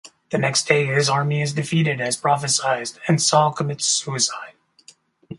The next day, his army is defeated as prophesied, and Saul commits suicide.